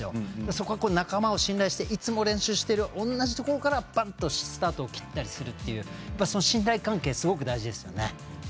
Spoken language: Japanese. そこが仲間を信頼していつも練習している同じところから、スタートを切ったりするっていう信頼関係、すごく大事です。